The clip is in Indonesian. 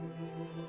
setiap senulun buat